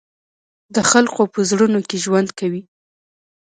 د خلقو پۀ زړونو کښې ژوند کوي،